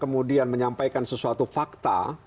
menyampaikan sesuatu fakta